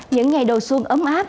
những ngày đầu xuân ấm áp